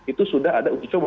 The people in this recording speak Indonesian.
itu sudah ada uji coba